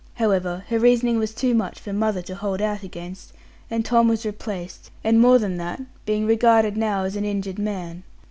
However, her reasoning was too much for mother to hold out against; and Tom was replaced, and more than that, being regarded now as an injured man.